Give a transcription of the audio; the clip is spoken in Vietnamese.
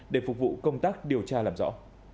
để phục vụ công tác điều tra làm rõ